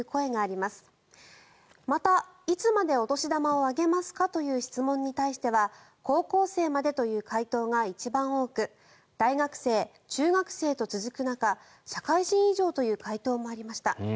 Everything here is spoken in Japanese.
また、いつまでお年玉をあげますか？という質問に対しては高校生までという回答が一番多く大学生、中学生と続く中社会人以上という回答もありました。